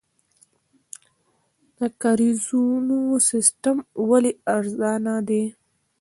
د کاریزونو سیستم ولې ارزانه دی؟